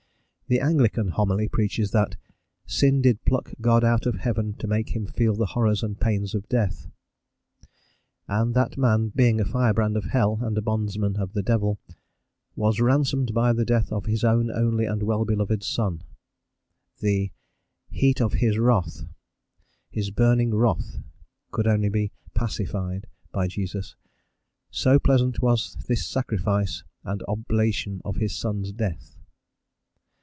The Anglican homily preaches that "sin did pluck God out of heaven to make him feel the horrors and pains of death," and that man, being a firebrand of hell and a bondsman of the devil, "was ransomed by the death of his own only and well beloved son;" the "heat of his wrath," "his burning wrath," could only be "pacified" by Jesus, "so pleasant was this sacrifice and oblation of his son's death."